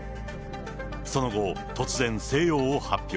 その後、突然静養を発表。